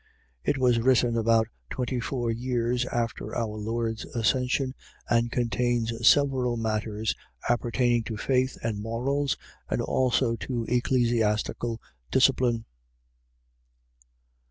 It was written about twenty four years after our Lord's Ascension and contains several matters appertaining to faith and morals and also to ecclesiastical discipline.